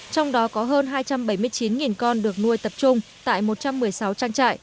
trong đó có hơn hai trăm bảy mươi chín con được nuôi tập trung tại một trăm một mươi sáu trang trại